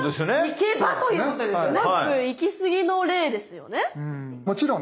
いけばということですよね。